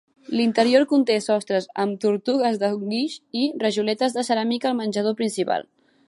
L'interior conté sostres amb tortugues de guix i rajoletes de ceràmica al menjador principal.